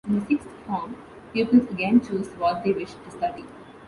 In the sixth form, pupils again choose what they wish to study.